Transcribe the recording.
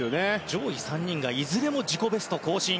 上位３人がいずれも自己ベストを更新。